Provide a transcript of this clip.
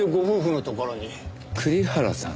栗原さん？